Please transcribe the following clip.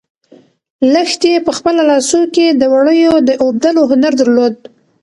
لښتې په خپلو لاسو کې د وړیو د اوبدلو هنر درلود.